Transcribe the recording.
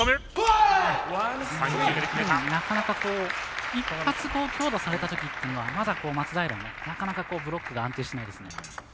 なかなか、一発強打されたときっていうのはまだ、松平もなかなかブロックが安定しないですね。